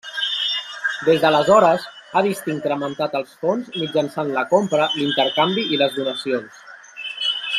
Des d'aleshores ha vist incrementat els fons mitjançant la compra, l'intercanvi i les donacions.